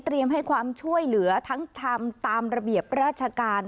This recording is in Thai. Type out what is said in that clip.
ให้ความช่วยเหลือทั้งทำตามระเบียบราชการ